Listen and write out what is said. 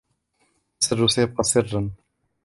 السر سيبقى سراً.